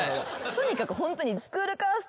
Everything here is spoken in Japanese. とにかくホントに。